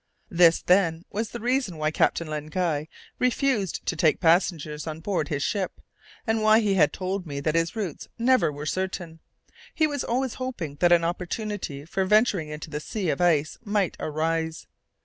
This, then, was the reason why Captain Len Guy refused to take passengers on board his ship, and why he had told me that his routes never were certain; he was always hoping that an opportunity for venturing into the sea of ice might arise.